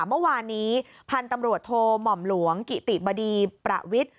เมื่อวานนี้พันธุ์ตำรวจโทหม่อมหลวงกิติบดีประวิทย์